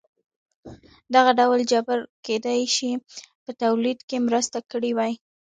دغه ډول جبر کېدای شي په تولید کې مرسته کړې وي.